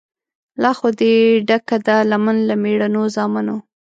لا خو دي ډکه ده لمن له مېړنو زامنو